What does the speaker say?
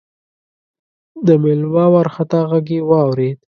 د مېلمه وارخطا غږ يې واورېد: